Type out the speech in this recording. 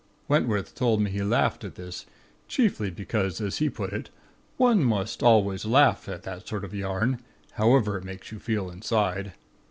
"Wentworth told me he laughed at this; chiefly because, as he put it: 'One always must laugh at that sort of yarn, however it makes you feel inside.'